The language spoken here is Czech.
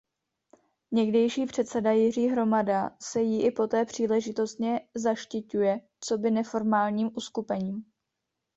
Někdejší předseda Jiří Hromada se jí i poté příležitostně zaštiťuje coby neformálním uskupením.